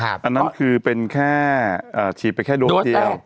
อันนั้นคือเป็นแค่ฉีดไปแค่ดวงเดียว